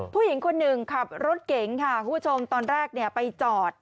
ผู้หญิงคนหนึ่งขับรถเก๋งค่ะคุณผู้ชมตอนแรกเนี่ยไปจอด